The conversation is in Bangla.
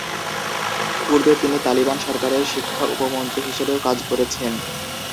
পূর্বে তিনি তালিবান সরকারের শিক্ষা উপমন্ত্রী হিসেবেও কাজ করেছেন।